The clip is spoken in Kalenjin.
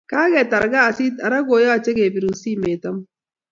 kaketar kasit Ara koyache kebiru simet amut